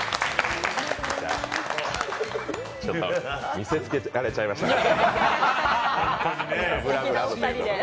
見せつけられちゃいましたね。